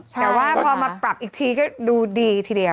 แต่ว่าพอมาปรับอีกทีก็ดูดีทีเดียว